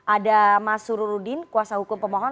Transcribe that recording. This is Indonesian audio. ada mas sururudin kuasa hukum pemohon